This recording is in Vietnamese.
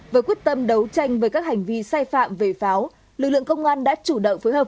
với quyết tâm đấu tranh với các hành vi sai phạm về pháo lực lượng công an đã chủ động phối hợp